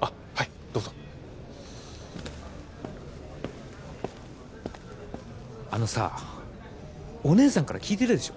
あっはいどうぞあのさお姉さんから聞いてるでしょ？